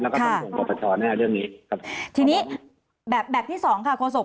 แล้วก็ต้องตรวจสอบแน่เรื่องนี้ทีนี้แบบที่สองค่ะโคสก